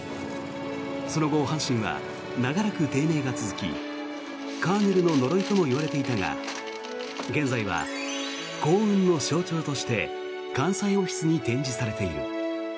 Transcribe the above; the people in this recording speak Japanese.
その後、阪神は長らく低迷が続きカーネルの呪いともいわれていたが現在は幸運の象徴として関西オフィスに展示されている。